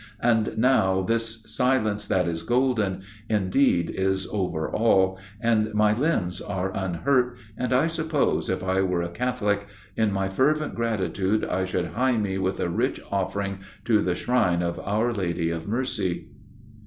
And now this "silence that is golden" indeed is over all, and my limbs are unhurt, and I suppose if I were a Catholic, in my fervent gratitude I would hie me with a rich offering to the shrine of "our Lady of Mercy."